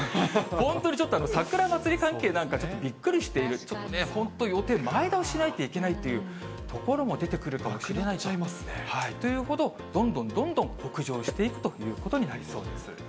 本当にちょっと、桜祭り関係なんか、ちょっとびっくりしている、ちょっとね、本当に予定、前倒ししないといけないという所も出てくるかもしれないというほど、どんどんどんどん北上していくということになりそうです。